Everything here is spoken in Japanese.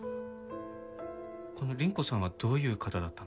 この倫子さんはどういう方だったんですか？